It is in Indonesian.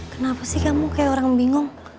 kenapa sih kamu kayak orang bingung